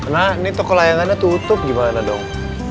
nah ini toko layangannya tutup gimana dong